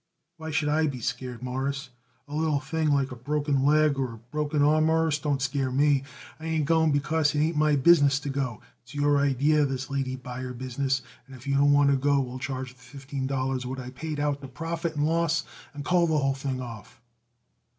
"Why should I be scared, Mawruss? A little thing like a broken leg or a broken arm, Mawruss, don't scare me. I ain't going because it ain't my business to go. It's your idee, this lady buyer business, and if you don't want to go we'll charge the fifteen dollars what I paid out to profit and loss and call the whole thing off."